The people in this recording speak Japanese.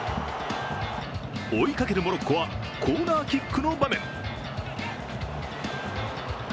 追いかけるモロッコはコーナーキックの場面。